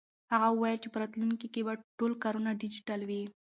هغه وویل چې په راتلونکي کې به ټول کارونه ډیجیټل وي.